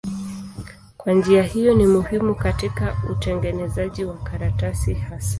Kwa njia hiyo ni muhimu katika utengenezaji wa karatasi hasa.